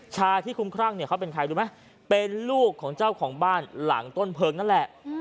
ชายที่คุ้มครั่งเนี่ยเขาเป็นใครรู้ไหมเป็นลูกของเจ้าของบ้านหลังต้นเพลิงนั่นแหละ